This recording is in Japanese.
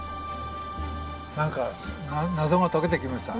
何か謎が解けてきました。